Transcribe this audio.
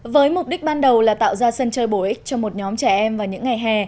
với mục đích ban đầu là tạo ra sân chơi bổ ích cho một nhóm trẻ em vào những ngày hè